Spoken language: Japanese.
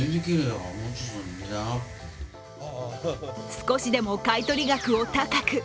少しでも買い取り額を高く。